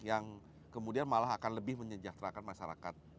yang kemudian malah akan lebih menyejahterakan masyarakat